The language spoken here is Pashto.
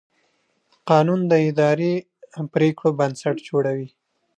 قانون د اداري پرېکړو بنسټ جوړوي.